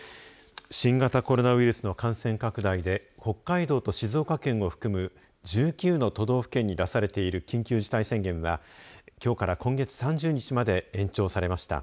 新型コロナウイルスの感染拡大で北海道と静岡県を含む１９の都道府県に出されている緊急事態宣言はきょうから今月３０日まで延長されました。